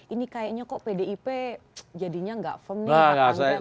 ini kayaknya kok pdip jadinya nggak firm nih